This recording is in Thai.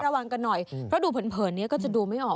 ระวังกันหน่อยถ้าดูเผินเผินนี่ก็จะดูไม่ออก